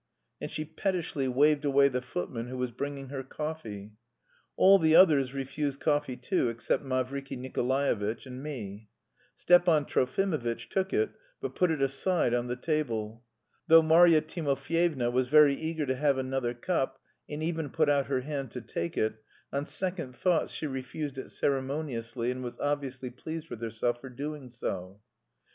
And she pettishly waved away the footman who was bringing her coffee. (All the others refused coffee too except Mavriky Nikolaevitch and me. Stepan Trofimovitch took it, but put it aside on the table. Though Marya Timofyevna was very eager to have another cup and even put out her hand to take it, on second thoughts she refused it ceremoniously, and was obviously pleased with herself for doing so.)